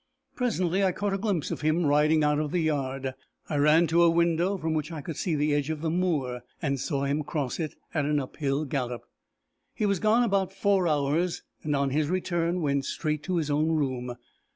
Presently I caught a glimpse of him riding out of the yard. I ran to a window from which I could see the edge of the moor, and saw him cross it at an uphill gallop. He was gone about four hours, and on his return went straight to his own room.